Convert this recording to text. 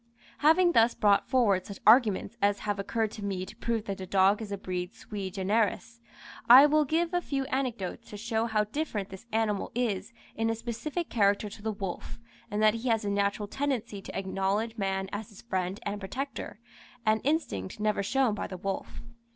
Having thus brought forward such arguments as have occurred to me to prove that the dog is a breed sui generis, I will give a few anecdotes to show how different this animal is in his specific character to the wolf, and that he has a natural tendency to acknowledge man as his friend and protector, an instinct never shown by the wolf.